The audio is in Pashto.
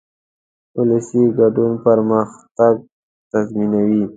ولسي ګډون پرمختګ تضمینوي.